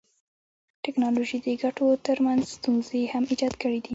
ټکنالوژي د ګټو تر څنګ ستونزي هم ایجاد کړيدي.